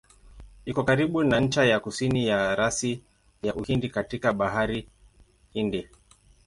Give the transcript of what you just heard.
Iko karibu na ncha ya kusini ya rasi ya Uhindi katika Bahari Hindi.